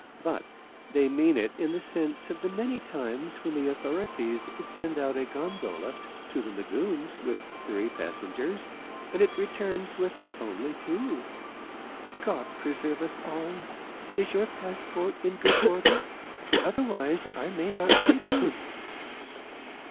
But they mean it in the sense of the many times when the authorities send out a gondola to the lagoons with three passengers, and it returns with only two. God preserve us all! Is your passport in good order? Otherwise I may not take you."